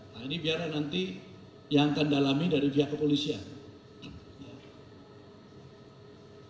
nah ini biarlah nanti yang akan dalami dari pihak kepolisian